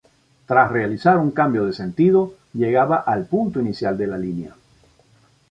Tras realizar un cambio de sentido, llegaba al punto inicial de la línea.